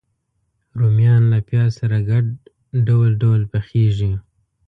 رومیان له پیاز سره ګډ ډول ډول پخېږي